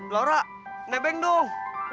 laura nebeng dong